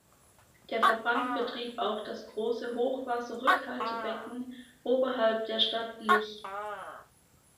Der Verband betreibt auch das große Hochwasserrückhaltebecken oberhalb der Stadt Lich.